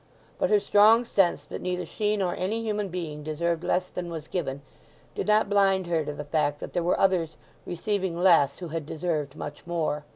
But her strong sense that neither she nor any human being deserved less than was given, did not blind her to the fact that there were others receiving less who had deserved much more.